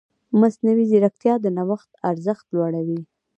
مصنوعي ځیرکتیا د نوښت ارزښت لوړوي.